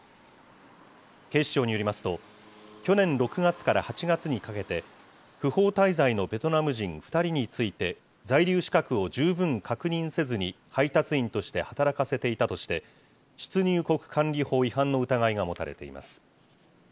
警視庁によりますと、去年６月から８月にかけて、不法滞在のベトナム人２人について、在留資格を十分確認せずに配達員として働かせていたとして、出入国管理法違反の疑いが持たれています。